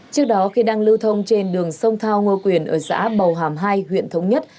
trước đó khi đang lưu thông trên đường sông thao ngô quyền ở xã bầu hàm hai huyện thống nhất